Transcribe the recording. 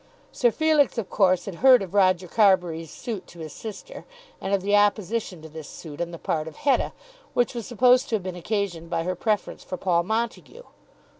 Sir Felix of course had heard of Roger Carbury's suit to his sister, and of the opposition to this suit on the part of Hetta, which was supposed to have been occasioned by her preference for Paul Montague.